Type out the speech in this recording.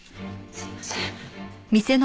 すいません。